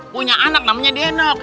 punya anak namanya denok